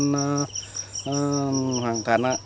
nó hoàn thành